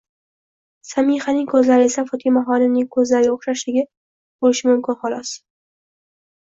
Samihaning ko'zlari esa Fotimaxonimning ko'zlariga o'xshashligi bo'lishi mumkin, holos.